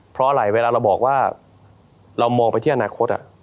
เพราะอะไรเวลาเราบอกว่าเรามองไปที่อนาคต